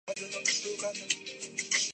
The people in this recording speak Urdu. جو بچے ہیں سنگ سمیٹ لو تن داغ داغ لٹا دیا